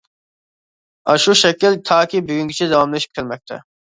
ئاشۇ شەكىل تاكى بۈگۈنگىچە داۋاملىشىپ كەلمەكتە.